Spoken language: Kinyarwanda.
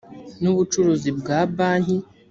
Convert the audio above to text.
n ubucuruzi bwa banki